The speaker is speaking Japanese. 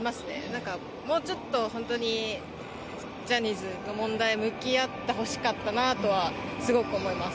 なんかもうちょっと、本当にジャニーズに、問題に向き合ってほしかったなとは、すごく思います。